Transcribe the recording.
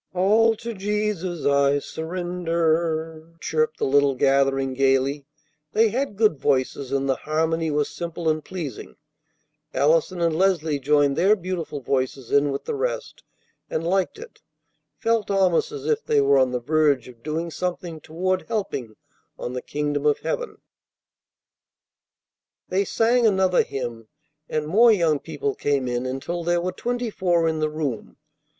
"All to Jesus I surrender!" chirped the little gathering gayly. They had good voices, and the harmony was simple and pleasing. Allison and Leslie joined their beautiful voices in with the rest, and liked it, felt almost as if they were on the verge of doing something toward helping on the kingdom of heaven. They sang another hymn, and more young people came in until there were twenty four in the room.